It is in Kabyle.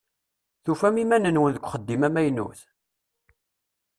Tufam iman-nwen deg uxeddim amaynut?